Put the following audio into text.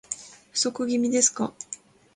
不足気味ですか